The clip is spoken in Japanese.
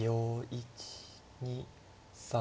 １２３。